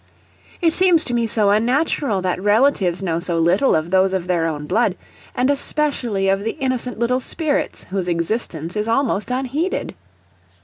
] It seems to me so unnatural that relatives know so little of those of their own blood, and especially of the innocent little spirits whose existence is almost unheeded.